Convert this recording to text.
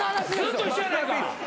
ずっと一緒やないか。